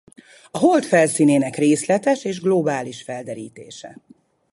A Hold felszínének részletes és globális felderítése.